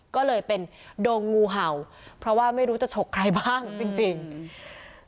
ก็เลยเป็นดงงูเห่าเพราะว่าไม่รู้จะฉกใครบ้างจริงจริงอืม